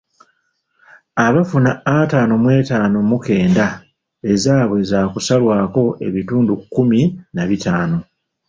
Abafuna ataano mw'etaano mu kenda ezaaabwe zaakusalwako ebitundu kumi na bitaano.